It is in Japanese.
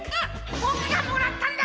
ボクがもらったんだ！